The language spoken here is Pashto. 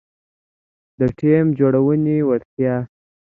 -د ټیم جوړونې وړتیا